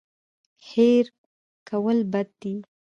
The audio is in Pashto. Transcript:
هېر کول بد دی.